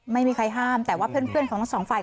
ไม่มีใครห้ามแต่ว่าเพื่อนของทั้งสองฝ่าย